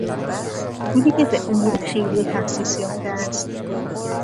پولی که به امور خیریه تخصیص یافته است